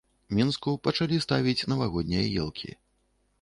Мінску пачалі ставіць навагоднія елкі.